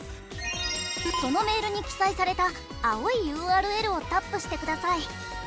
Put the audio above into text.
そのメールに記載された青いＵＲＬをタップしてください。